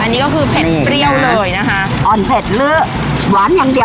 อันนี้ก็คือเผ็ดเปรี้ยวเลยนะคะอ่อนเผ็ดเลอะหวานอย่างเดียว